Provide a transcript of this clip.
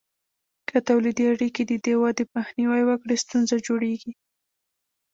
که تولیدي اړیکې د دې ودې مخنیوی وکړي، ستونزه جوړیږي.